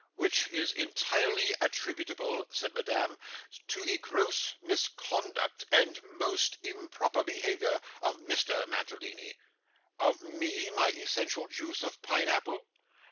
'Which is entirely attributable,' said Madame, 'to the gross misconduct and most improper behaviour of Mr. Mantalini.' 'Of me, my essential juice of pineapple!